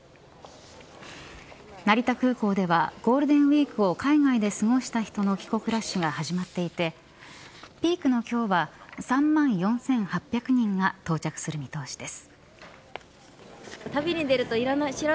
成田空港ではゴールデンウイークを海外で過ごした人の帰国ラッシュが始まっていてピークの今日は３万４８００人が到着する見通しです。